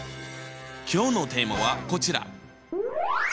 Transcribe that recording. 今日のテーマはこちら！